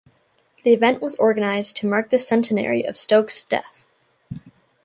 The event was organised to mark the centenary of Stokes' death.